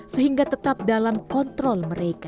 sehingga tetap dalam kontrol mereka